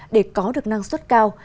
để có được năng suất cao